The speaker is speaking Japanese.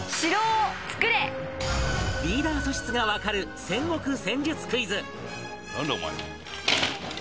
リーダー素質がわかる戦国戦術クイズ